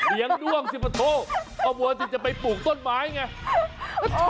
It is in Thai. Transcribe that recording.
เลี้ยงดวงสิประโธอ้าวว่าจะไปปลูกต้นไม้ไงโอ้โธ